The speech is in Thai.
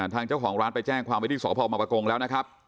ทางเจ้าของร้านไปแจ้งความไว้ที่สพมประกงแล้วนะครับ